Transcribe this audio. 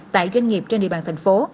tại doanh nghiệp trên địa bàn thành phố